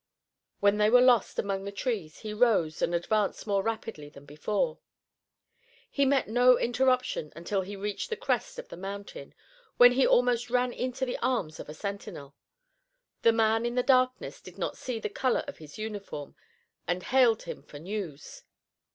When they were lost among the trees he rose and advanced more rapidly than before. He met no interruption until he reached the crest of the mountain, when he ran almost into the arms of a sentinel. The man in the darkness did not see the color of his uniform and hailed him for news.